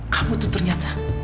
kamu tuh ternyata